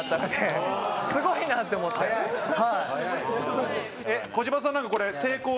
すごいなって思ってはい。